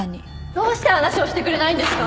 どうして話をしてくれないんですか？